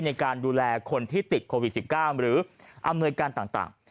ในการดูแลคนที่ติดโควิด๑๙หรืออำนวยการต่าง